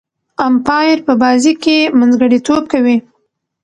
امپایر په بازي کښي منځګړیتوب کوي.